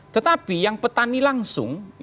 tetapi yang petani langsung